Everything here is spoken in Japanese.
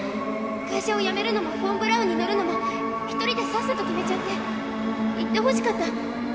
会社を辞めるのもフォン・ブラウンに乗るのも一人でさっさと決めちゃって言ってほしかった話してほしかったのに。